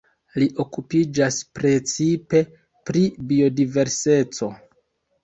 Li okupiĝas precipe pri biodiverseco.